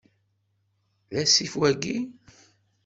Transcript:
D asif wayyi?